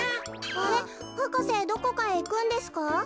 あれっ博士どこかへいくんですか？